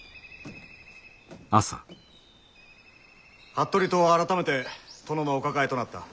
服部党は改めて殿のお抱えとなった。